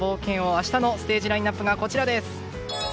明日のステージラインアップがこちらです。